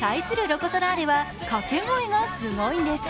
ロコ・ソラーレは掛け声がすごいんです。